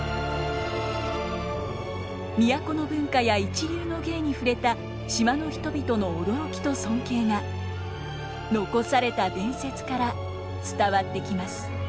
都の文化や一流の芸に触れた島の人々の驚きと尊敬が残された伝説から伝わってきます。